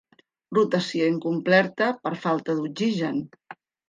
Rotació incompleta per falta d'oxigen.